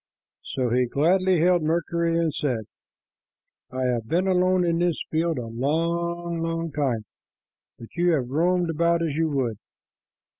So he gladly hailed Mercury and said, "I have been alone in this field a long, long time, but you have roamed about as you would.